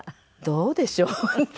どうでしょうね。